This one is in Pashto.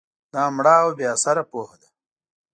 دا مړه او بې اثره پوهه ده